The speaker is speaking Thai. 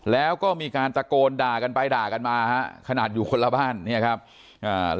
แล้วก็มีการตะโกนด่ากันไปด่ากันมาฮะขนาดอยู่คนละบ้านเนี่ยครับอ่า